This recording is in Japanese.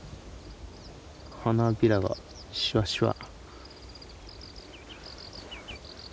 花びらがシワシワ。